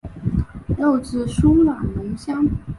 肉质酥软浓香。